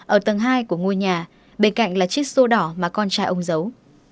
ở tầng hai của ngôi nhà bên cạnh là chiếc xô đỏ mà con trai ông giấu